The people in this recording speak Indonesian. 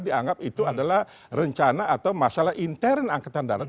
dianggap itu adalah rencana atau masalah intern angkatan darat